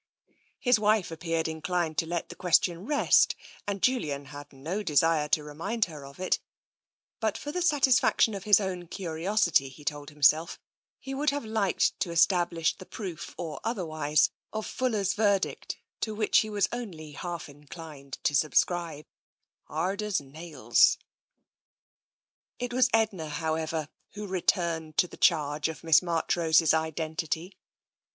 His wife appeared inclined to let the question rest, and Julian had no desire to remind her of it; but for the satisfaction of his own curiosity, he told himself, he would have liked to establish the proof or otherwise of Fuller's verdict to which he was only half inclined to subscribe —" hard as nails." It was Edna, however, who returned to the charge of Miss Marchrose's identity.